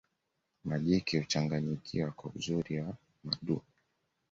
majike huchanganyikiwa kwa uzuri wa madume